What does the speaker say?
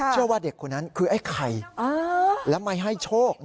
เชื่อว่าเด็กคนนั้นคือไอ้ไข่แล้วไม่ให้โชค